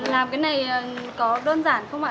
làm cái này có đơn giản không ạ